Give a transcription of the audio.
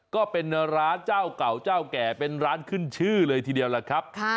ก็เป็นร้านเจ้าเก่าเจ้าแก่เป็นร้านขึ้นชื่อเลยทีเดียวล่ะครับ